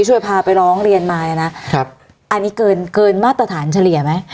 ช่วยพาไปร้องเรียนมาเนี่ยนะครับอันนี้เกินเกินมาตรฐานเฉลี่ยไหม